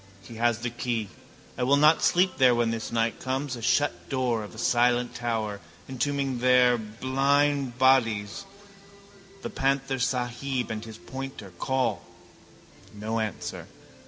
He has the key. I will not sleep there when this night comes. A shut door of a silent tower, entombing their blind bodies, the panthersahib and his pointer. Call: no answer.